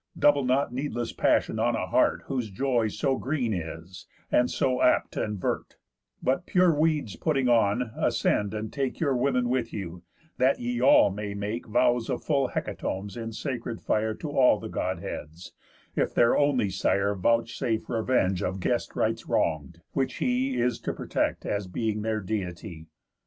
Double not needless passion on a heart Whose joy so green is, and so apt t' invert; But pure weeds putting on, ascend and take Your women with you, that ye all may make Vows of full hecatombs in sacred fire To all the Godheads, if their only Sire Vouchsafe revenge of guest rites wrong'd, which he Is to protect as being their Deity.